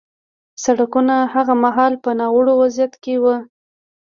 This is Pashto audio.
سړکونه هغه مهال په ناوړه وضعیت کې وو